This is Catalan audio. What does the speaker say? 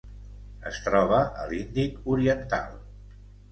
Es troba a l'Índic oriental: